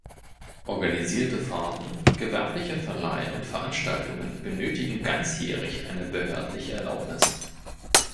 Organisierte Fahrten, gewerblicher Verleih und Veranstaltungen benötigen ganzjährig eine behördliche Erlaubnis.